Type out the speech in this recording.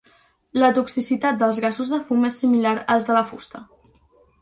La toxicitat dels gasos de fum és similar als de la fusta.